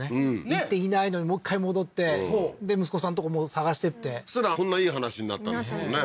行っていないのにもう一回戻ってで息子さんのとこも探していってそしたらこんないい話になったんですもんね